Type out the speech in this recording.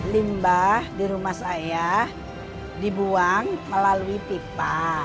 limbah di rumah saya dibuang melalui pipa